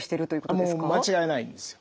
もう間違いないんですよ。